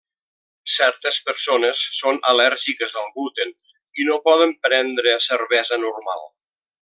Certes persones són al·lèrgiques al gluten i no poden prendre cervesa normal.